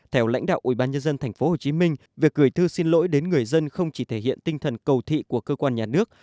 theo lãnh đạo ubnd tp hcm việc gửi thư xin lỗi đến người dân không chỉ thể hiện tinh thần cầu thị của cơ quan nhà nước